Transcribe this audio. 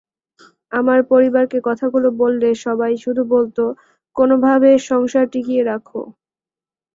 আমার পরিবারকে কথাগুলো বললে সবাই শুধু বলত, কোনোভাবে সংসার টিকিয়ে রাখো।